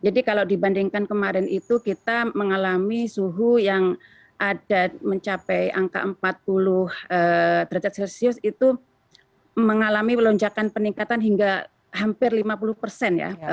jadi kalau dibandingkan kemarin itu kita mengalami suhu yang ada mencapai angka empat puluh derajat celcius itu mengalami lonjakan peningkatan hingga hampir lima puluh persen ya